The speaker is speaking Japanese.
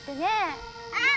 うん！